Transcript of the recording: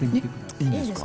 いいんですか？